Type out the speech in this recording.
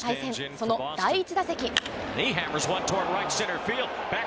その第１打席。